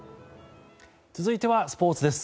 続いてはスポーツです。